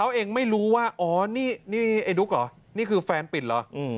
เขาเองไม่รู้ว่านี่ลูกอ๋อนี่คือแฟนปิดเหรอ